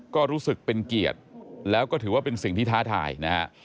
ก็รู้สึกเป็นเกียรติแล้วก็ถือว่าเป็นสิ่งที่ท้าทายนะฮะ